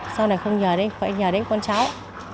sau này không nhờ đi phải nhờ đến con cháu